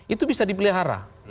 itu bisa dipelihara